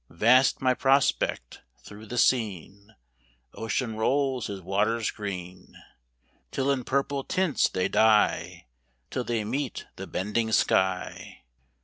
Vast my prospect—through the scene Ocean rolls his waters green; Till in purple tints they dye, Till they meet the bending sky.